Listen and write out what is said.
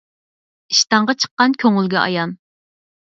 ئىشتانغا چىققان كۆڭۈلگە ئايان.